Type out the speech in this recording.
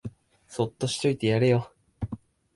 そっとしといてやれよ